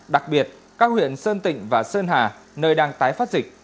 đặc biệt các huyện sơn tịnh và sơn hà nơi đang tái phát dịch